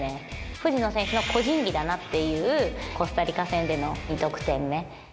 藤野選手の個人技だなっていう、コスタリカ戦での２得点目。